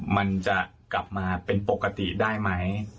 มันจะกลับมาเป็นปกติได้ไหม